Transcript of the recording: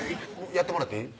やってもらっていい？